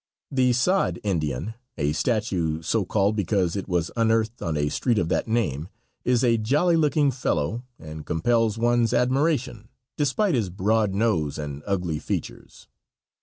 The Sad Indian, a statue so called because it was unearthed on a street of that name, is a jolly looking fellow, and compels one's admiration, despite his broad nose and ugly features.